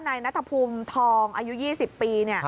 ในนัทพุมทองอายุ๒๐ปี